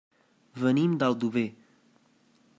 Venim d'Aldover.